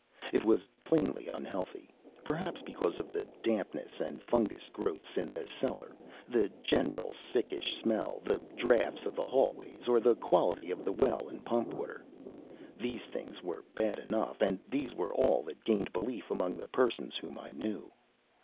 It was plainly unhealthy, perhaps because of the dampness and fungous growths in the cellar, the general sickish smell, the drafts of the hallways, or the quality of the well and pump water. These things were bad enough, and these were all that gained belief among the persons whom I knew.